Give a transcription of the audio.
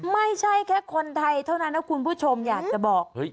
ไม่ใช่แค่คนไทยเท่านั้นนะคุณผู้ชมอยากจะบอก